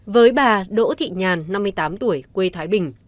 với bà đỗ thị nhàn năm mươi tám tuổi quê thái bình